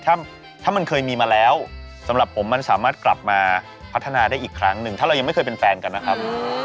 ถ้ามันเคยมีมาแล้วสำหรับผมมันสามารถกลับมาพัฒนาได้อีกครั้งหนึ่งถ้าเรายังไม่เคยเป็นแฟนกันนะครับ